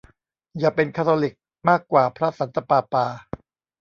อย่าเป็นคาทอลิกมากกว่าพระสันตะปาปา